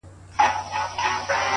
هغه مړ سو اوس يې ښخ كړلو _